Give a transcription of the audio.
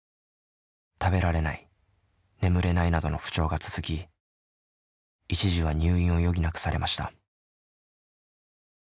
食べられない眠れないなどの不調が続き一時は入院を余儀なくされました。